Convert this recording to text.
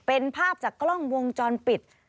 เป็นภาพจากกล้องวงจรปิด